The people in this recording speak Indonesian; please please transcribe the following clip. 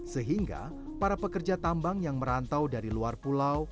sehingga para pekerja tambang yang merantau dari luar pulau